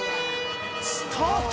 スタート！